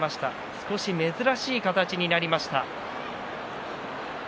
少し珍しい形になりました。